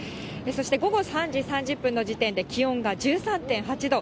そして午後３時３０分の時点で気温が１３．８度。